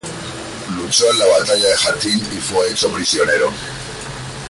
Luchó en la batalla de Hattin y fue hecho prisionero.